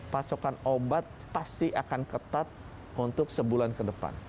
pasokan obat pasti akan ketat untuk sebulan ke depan